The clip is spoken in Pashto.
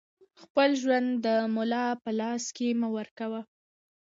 خپل ژوند د ملا په لاس کې مه ورکوه